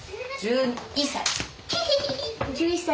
１１歳。